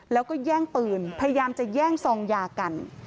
แล้วก็แย่งปืนพยายามจะแย่งซองยากัน